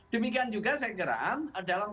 demikian juga saya kira dalam